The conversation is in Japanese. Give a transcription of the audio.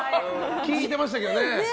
効いてましたけどね。